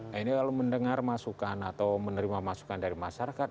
nah ini kalau mendengar masukan atau menerima masukan dari masyarakat